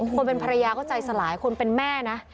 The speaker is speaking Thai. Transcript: คนเป็นภรรยาก็ใจสลายคนเป็นแม่นะ